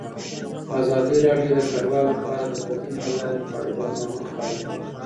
ازادي راډیو د کډوال لپاره د بدیل حل لارې په اړه برنامه خپاره کړې.